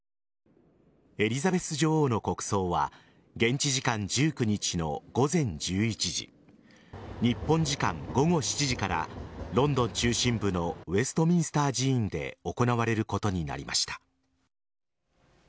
エリザベス女王の国葬は現地時間１９日の午前１１時日本時間午後７時からロンドン中心部のウェストミンスター寺院で行われることになりました。